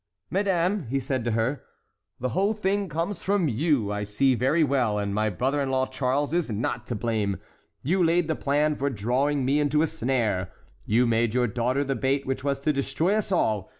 "Madame," he said to her, "the whole thing comes from you, I see very well, and my brother in law Charles is not to blame. You laid the plan for drawing me into a snare. You made your daughter the bait which was to destroy us all.